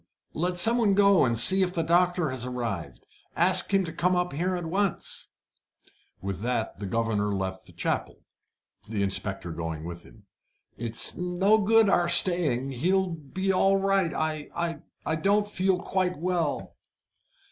"Let some one go and see if the doctor has arrived. Ask him to come up here at once." With that the governor left the chapel, the inspector going with him. "It's no good our staying. He'll be all right. I I don't feel quite well."